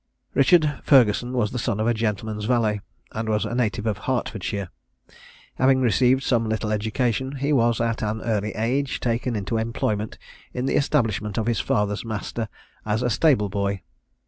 Richard Ferguson was the son of a gentleman's valet, and was a native of Hertfordshire. Having received some little education, he was at an early age taken into employment in the establishment of his father's master as a stable boy.